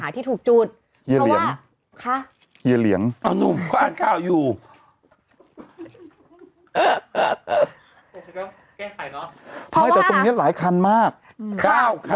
ไม่แต่ตรงนี้หลายคันมากเก้าคัน